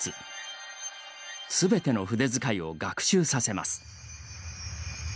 すべての筆づかいを学習させます。